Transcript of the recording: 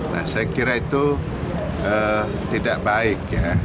nah saya kira itu tidak baik ya